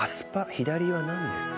左はなんですか？